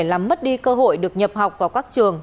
làm mất đi cơ hội được nhập học vào các trường